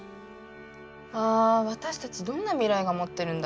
あ私たちどんな未来が待ってるんだろ。